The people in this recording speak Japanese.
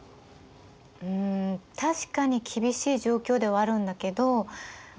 うん確かに厳しい状況ではあるんだけどま